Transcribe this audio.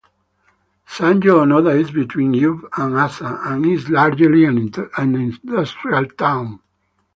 Sanyo-Onoda is between Ube and Asa, and is largely an industrial town.